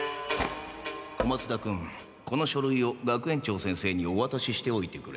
小松田君この書類を学園長先生におわたししておいてくれ。